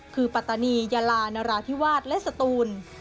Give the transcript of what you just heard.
คือปัตตานียาลานราธิวาสและสตูน